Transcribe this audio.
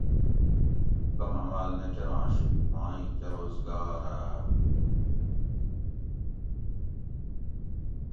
کم عماۤل نہ کرانش ماں ای کہ روزگارہ